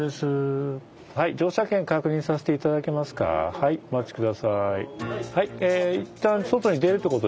はいお待ち下さい。